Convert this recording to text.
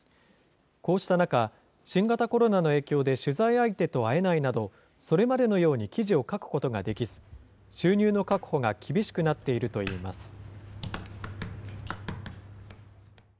こうした中、新型コロナの影響で取材相手と会えないなど、それまでのように記事を書くことができず、収入の確保が厳しくなっているといいます。